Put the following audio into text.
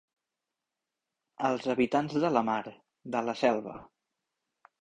Els habitants de la mar, de la selva.